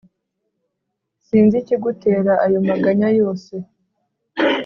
Sinz ikigutera ayo maganya yose